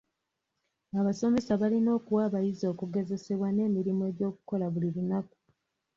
Abasomesa balina okuwa abayizi okugezesebwa n'emirimu gy'okukola buli lunaku.